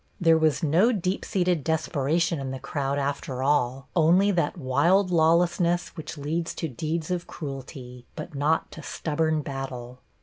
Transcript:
There was no deep seated desperation in the crowd after all, only, that wild lawlessness which leads to deeds of cruelty, but not to stubborn battle.